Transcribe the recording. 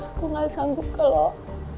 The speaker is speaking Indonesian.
aku gak sanggup kalau